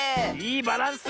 いいバランス。